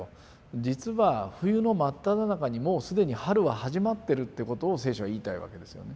実は冬の真っただ中にもう既に春は始まってるってことを聖書は言いたいわけですよね。